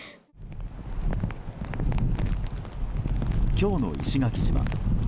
今日の石垣島。